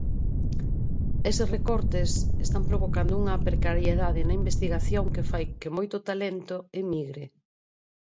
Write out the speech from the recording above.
Eses recortes están provocando unha precariedade na investigación que fai que moito talento emigre.